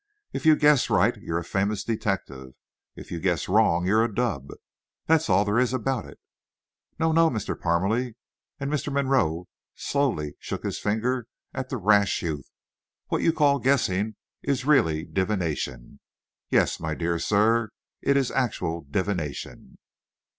If you guess right, you're a famous detective; if you guess wrong, you're a dub. That's all there is about it." "No, no, Mr. Parmalee," and Mr. Monroe slowly shook his finger at the rash youth "what you call guessing is really divination. Yes, my dear sir, it is actual divination."